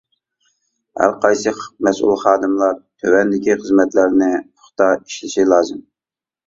ھەر قايسى مەسئۇل خادىملار تۆۋەندىكى خىزمەتلەرنى پۇختا ئىشلىشى لازىم.